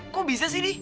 kok bisa sih di